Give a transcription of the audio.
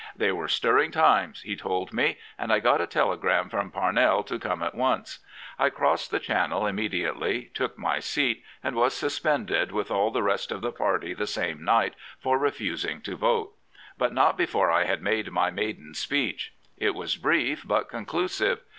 " They were stirring times," he told me, " and I got a telegram from Parnell to come at once. I crossed the Channel immediately, took my seat, and was suspended with all the rest of the party the same night for refusing to vote. But not before I had made my maiden speech. It was brief, but conclu> sive.